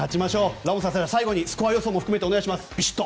ラモスさん、最後にスコア予想も含めてお願いします。